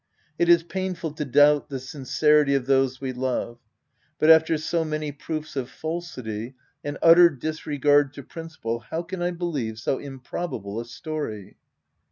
It is painful to doubt the sincerity of those we love, but after so many proofs of falsity and utter disregard to principle how can I believe so improbable a story